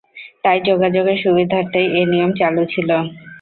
তাই যোগাযোগের সুবিধার্থেই এ নিয়ম চালু ছিল।